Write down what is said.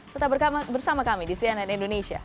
tetap bersama kami di cnn indonesia